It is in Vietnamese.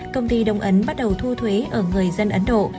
công ty đông ấn bắt đầu thu thuế ở người dân ấn độ